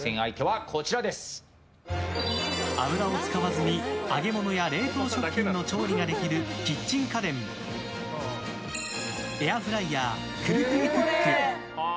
油を使わずに揚げ物や冷凍食品の調理ができるキッチン家電エアフライヤー、クルクルクック。